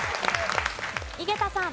井桁さん。